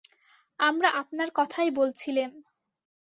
আমরা আপনার কথাই বলছিলেম।